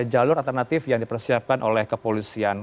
jalur alternatif yang dipersiapkan oleh kepolisian